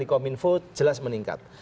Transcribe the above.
kominfo jelas meningkat